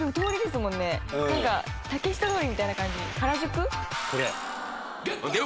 「なんか竹下通りみたいな感じ原宿？」